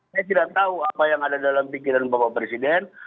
saya tidak tahu apa yang ada dalam pikiran bapak presiden